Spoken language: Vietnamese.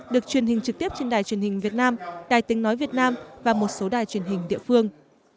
được truyền hình trực tiếp trên đài truyền hình việt nam đài tình nói việt nam và một số đài truyền hình địa phương